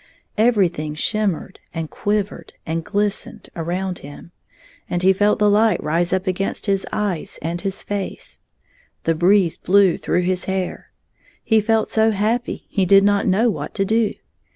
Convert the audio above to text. Every thing slmnmered, and quivered, and glistened 39 around him, and he felt the light rise np against his eyes and his face. The breeze blew through his hair. He felt so happy, he did not know what to do.